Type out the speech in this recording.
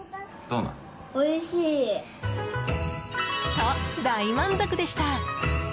と、大満足でした。